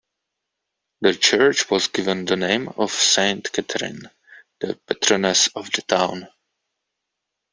The church was given the name of Saint Catherine, the patroness of the town.